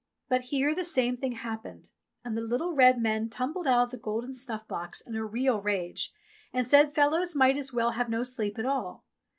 But here the same thing happened, and the little red men tumbled out of the golden snuff box in a real rage, and said fellows might as well have no sleep at all